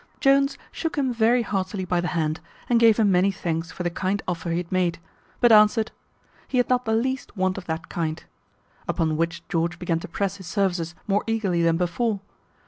Jones shook him very heartily by the hand, and gave him many thanks for the kind offer he had made; but answered, "He had not the least want of that kind." Upon which George began to press his services more eagerly than before.